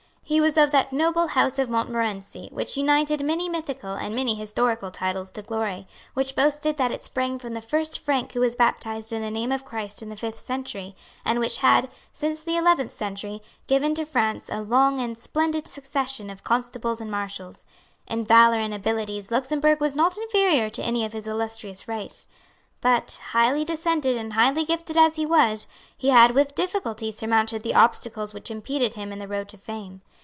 He was of that noble house of Montmorency which united many mythical and many historical titles to glory, which boasted that it sprang from the first Frank who was baptized into the name of Christ in the fifth century, and which had, since the eleventh century, given to France a long and splendid succession of Constables and Marshals. In valour and abilities Luxemburg was not inferior to any of his illustrious race. But, highly descended and highly gifted as he was, he had with difficulty surmounted the obstacles which impeded him in the road to fame.